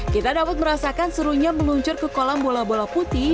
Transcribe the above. kita dapat merasakan serunya meluncur ke kolam bola bola putih